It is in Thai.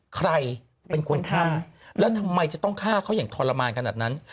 ใครเป็นคนฆ่าแล้วทำไมจะต้องฆ่าเขาอย่างทรมานขนาดนั้น